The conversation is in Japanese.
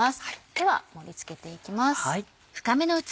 では盛り付けていきます。